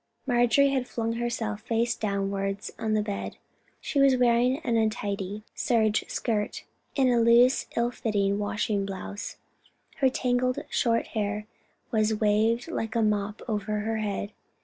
Marjorie had flung herself face downwards on the bed. She was wearing an untidy serge skirt, and a loose, ill fitting washing blouse. Her tangled short hair was waved like a mop over her head.